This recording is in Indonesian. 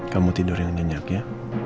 kamu tidur yang nyenyak ya